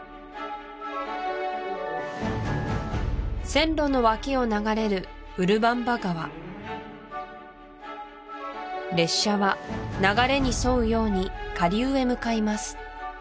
線路の脇を流れるウルバンバ川列車は流れに沿うように下流へ向かいます